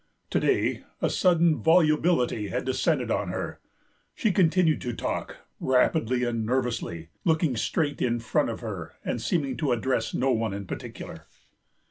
To day a sudden volubility had descended on her; she continued to talk, rapidly and nervously, looking straight in front of her and seeming to address no one in particular.